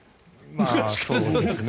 そうですね。